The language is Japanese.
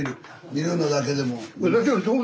見るのだけでも。